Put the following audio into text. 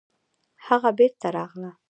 هغه بېرته راغله